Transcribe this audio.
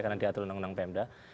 karena diatur undang undang pemda